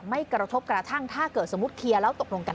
สุดทนแล้วกับเพื่อนบ้านรายนี้ที่อยู่ข้างกัน